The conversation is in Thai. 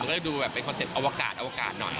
ก็เลยดูแบบเป็นคอนเซ็ปตอวกาศอวกาศหน่อย